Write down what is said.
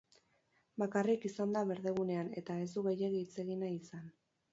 Bakarrik izan da berdegunean eta ez du gehiegi hitz egin nahi izan.